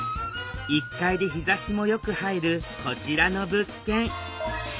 １階で日ざしもよく入るこちらの物件。